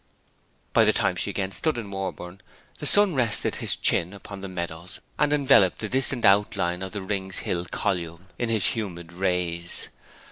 By the time she again stood in Warborne the sun rested his chin upon the meadows, and enveloped the distant outline of the Rings Hill column in his humid rays.